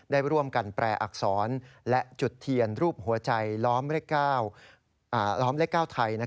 ได้ร่วมกันแปลอักษรและจุดเทียนรูปหัวใจล้อมเลข๙ล้อมเลข๙ไทย